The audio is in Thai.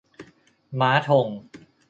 ม้า ธง